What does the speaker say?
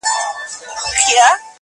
o کار چا وکی، چي تمام ئې کی.